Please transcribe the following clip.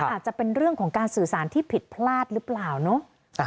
อาจจะเป็นเรื่องของการสื่อสารที่ผิดพลาดหรือเปล่าเนาะ